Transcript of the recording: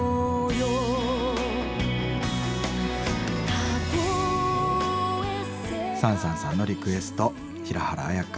たとえサンサンさんのリクエスト平原綾香